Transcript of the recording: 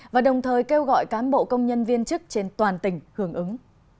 và đồng thời kêu gọi cán bộ công nhân viên chức trên toàn tỉnh hưởng ứng